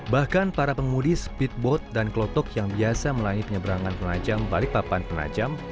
bahkan para pengemudi speedboat dan klotok yang biasa melayani penyeberangan penajam balikpapan penajam